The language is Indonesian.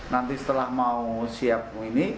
nanti setelah mau siapmu ini